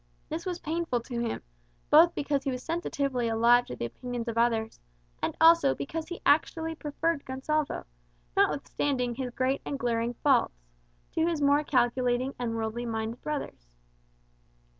This was painful to him, both because he was sensitively alive to the opinions of others; and also because he actually preferred Gonsalvo, notwithstanding his great and glaring faults, to his more calculating and worldly minded brothers.